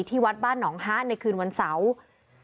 ที่วัดบ้านหนองฮะในคืนวันเสาร์